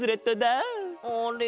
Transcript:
あれ？